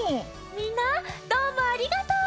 みんなどうもありがとう！